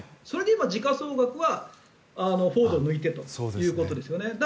それで今、時価総額はフォードを抜いてるということですね。